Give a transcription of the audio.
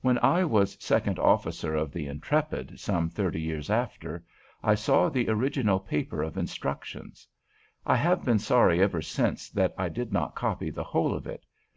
When I was second officer of the "Intrepid," some thirty years after, I saw the original paper of instructions. I have been sorry ever since that I did not copy the whole of it.